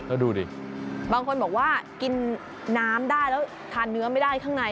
แล้วดูดิบางคนบอกว่ากินน้ำได้แล้วทานเนื้อไม่ได้ข้างใน